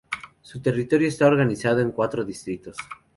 Su territorio está organizado en cuatro distritos.